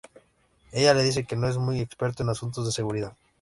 Ella le dice que no es muy experto en asuntos de seguridad.